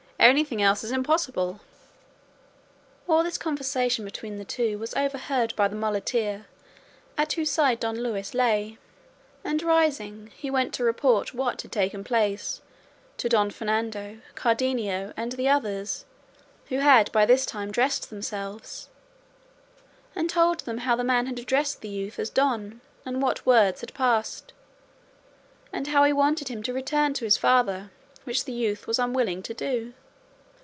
Anything else is impossible." All this conversation between the two was overheard by the muleteer at whose side Don Luis lay, and rising, he went to report what had taken place to Don Fernando, Cardenio, and the others, who had by this time dressed themselves; and told them how the man had addressed the youth as "Don," and what words had passed, and how he wanted him to return to his father, which the youth was unwilling to do.